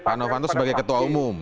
pak novanto sebagai ketua umum